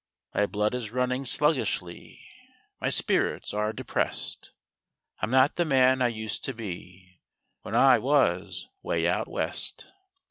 My blood is running sluggishly, My spirits are depressed ; I'm not the man I used to be When I was 'way out West.